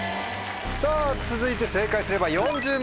さぁ続いて正解すれば４０万円です。